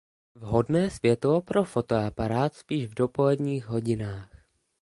Vhodné světlo pro fotoaparát spíš v dopoledních hodinách.